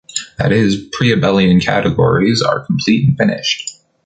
That is, pre-abelian categories are complete and finished.